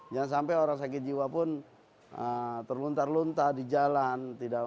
jangan sampai orang sakit jiwa pun terluntar luntar di jalan